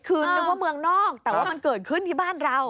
คือนึกว่าเมืองนอกแต่ว่ามันเกิดขึ้นที่บ้านเรา